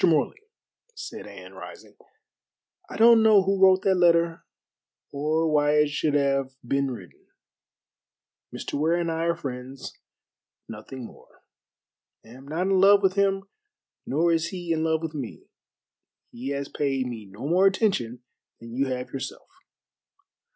Morley," said Anne, rising, "I don't know who wrote that letter, or why it should have been written. Mr. Ware and I are friends, nothing more. I am not in love with him, nor is he in love with me. He has paid me no more attention than you have yourself."